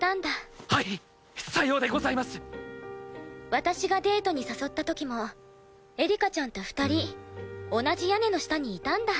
私がデートに誘った時もエリカちゃんと２人同じ屋根の下にいたんだ？